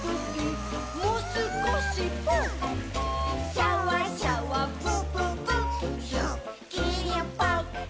「シャワシャワプププすっきりぽっ」